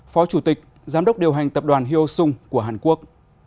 phó chủ tịch giám đốc điều hành tập đoàn hyo sung của hàn quốc